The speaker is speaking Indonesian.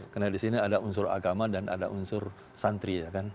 karena di sini ada unsur agama dan ada unsur santri ya kan